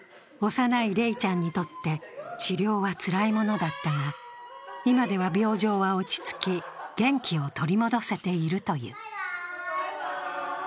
幼い怜ちゃんにとって治療はつらいものだったが、今では病状は落ち着き、元気を取り戻せているという。